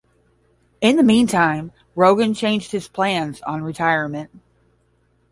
In the meantime Rogan changed his plans on retirement.